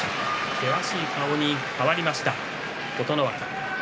険しい顔に変わりました琴ノ若